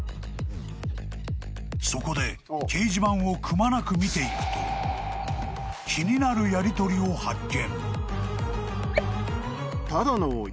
［そこで掲示板をくまなく見ていくと気になるやりとりを発見］